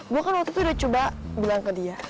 gue kan waktu itu udah coba bilang ke dia